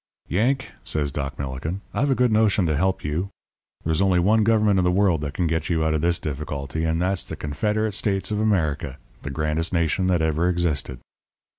"'Yank,' says Doc Millikin, 'I've a good notion to help you. There's only one government in the world that can get you out of this difficulty; and that's the Confederate States of America, the grandest nation that ever existed.'